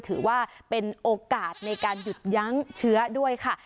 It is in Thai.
ถือว่าเป็นโอกาสในการหยุดยั้งเชื้อด้วยค่ะ